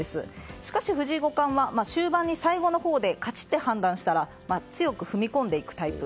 しかし、藤井五冠は終盤に最後のほうで勝ちって判断したら強く踏み込んでいくタイプ。